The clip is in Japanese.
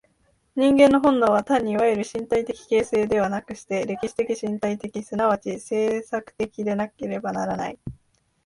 人間の本能は単にいわゆる身体的形成ではなくして、歴史的身体的即ち制作的でなければならない。